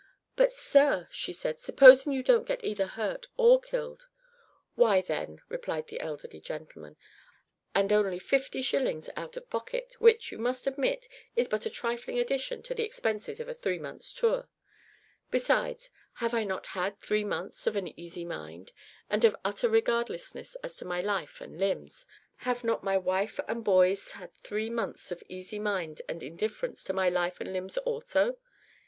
"But, sir," she said, "supposin' you don't get either hurt or killed?" "Why then," replied the elderly gentleman, "I'm all right of course, and only 50 shillings out of pocket, which, you must admit, is but a trifling addition to the expenses of a three months' tour. Besides, have I not had three months of an easy mind, and of utter regardlessness as to my life and limbs? Have not my wife and boys had three months of easy minds and indifference to my life and limbs also!